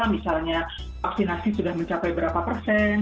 misalnya vaksinasi sudah mencapai berapa persen